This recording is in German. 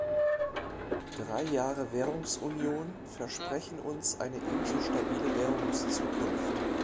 Drei Jahre Währungsunion versprechen uns eine ebenso stabile Währungszukunft.